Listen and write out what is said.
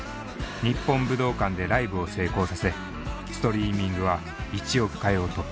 日本武道館でライブを成功させストリーミングは１億回を突破。